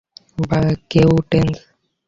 By, cadence.